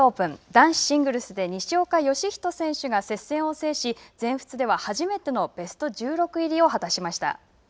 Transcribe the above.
男子シングルスで西岡良仁選手が接戦を制し全仏では初めてのベスト１６入りを果たしました。